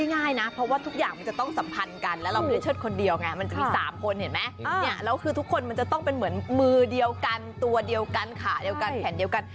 เฮ้ยเอาจริงยากนะดิฉันเคยไปเรียนกับพี่คือหลาคอเล็กโจรุยอยู่เหมือนกัน